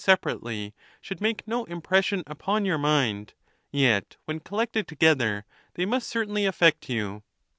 31V separately, should make no impression upon your mind, yet, when collected together, they must certainly affect, you.